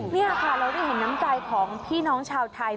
นี่ค่ะเราได้เห็นน้ำใจของพี่น้องชาวไทย